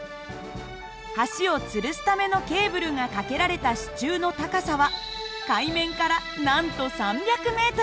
橋をつるすためのケーブルが架けられた支柱の高さは海面からなんと３００ｍ。